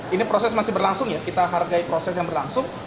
ini proses masih berlangsung ya kita hargai proses yang berlangsung